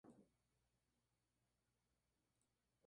La paralaje diurna de una estrella es prácticamente nula.